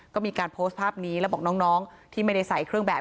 ก็มีการโพสต์ภาพนี้แล้วบอกน้องที่ไม่ได้ใส่เครื่องแบบ